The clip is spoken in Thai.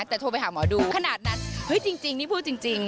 แต่โทรไปหาหมอดูขนาดนั้นเฮ้ยจริงนี่พูดจริง